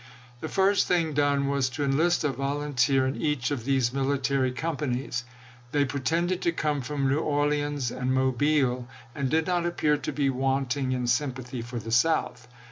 The first thing done was to enlist a volunteer in each of these military companies. They pretended to come from New Orleans and Mobile, and did not appear to be want ing in sympathy for the South.